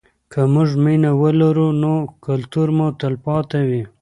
که موږ مینه ولرو نو کلتور مو تلپاتې وي.